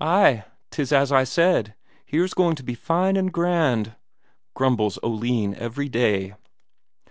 "Ay, 'tis as I said, here's going to be fine and grand," grumbles Oline every day.